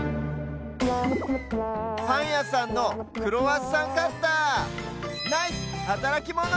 パンやさんの「クロワッサンカッター」ナイスはたらきモノ！